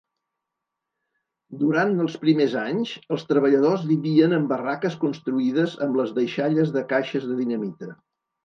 Durant els primers anys, els treballadors vivien en barraques construïdes amb les deixalles de caixes de dinamita.